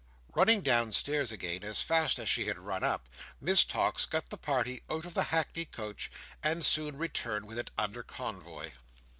Running downstairs again as fast as she had run up, Miss Tox got the party out of the hackney coach, and soon returned with it under convoy.